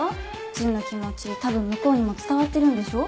純の気持ち多分向こうにも伝わってるんでしょ？